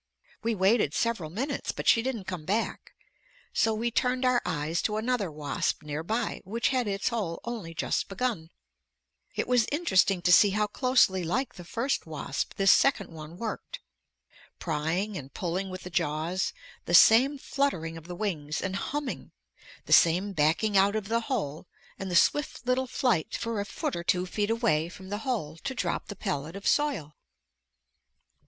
We waited several minutes but she didn't come back, so we turned our eyes to another wasp near by which had its hole only just begun. It was interesting to see how closely like the first wasp this second one worked. Prying and pulling with the jaws, the same fluttering of the wings and humming, the same backing out of the hole and the swift little flight for a foot or two feet away from the hole to drop the pellet of soil.